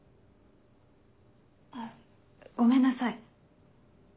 あごめんなさい。